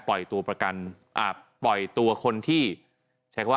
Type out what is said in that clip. ปล่อยตัวปแลชสไตล์